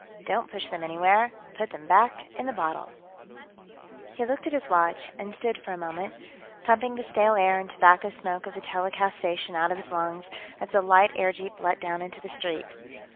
Don't Push Them Anywhere Put Them Back in the Bottle He looked at his watch, and stood for a moment, pumping the stale air and tobacco smoke of the telecast station out of his lungs, as the light airjeep let down into the street.